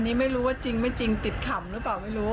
นี่ไม่รู้ว่าจริงไม่จริงติดขำหรือเปล่าไม่รู้